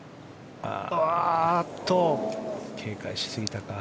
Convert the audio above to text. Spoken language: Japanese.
警戒しすぎたか。